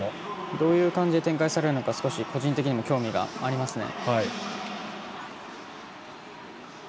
どういう感じで展開されるのか少し個人的にも興味がありますね。